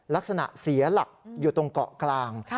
ลักษณะเสียหลักอยู่ตรงเกาะกลาง